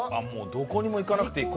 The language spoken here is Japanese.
どこにも行かなくていい。